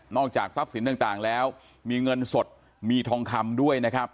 จากทรัพย์สินต่างแล้วมีเงินสดมีทองคำด้วยนะครับ